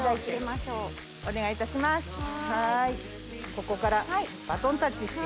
ここからバトンタッチして。